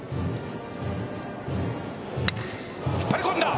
引っ張り込んだ。